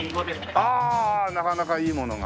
ああなかなかいいものが。